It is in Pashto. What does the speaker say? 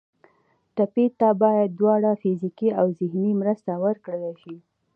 ټپي ته باید دواړه فزیکي او ذهني مرسته ورکړل شي.